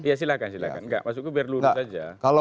ya silahkan enggak masuk ke biar lurus saja